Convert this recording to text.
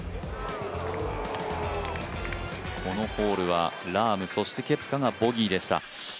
このホールはラーム、そしてケプカがボギーでした。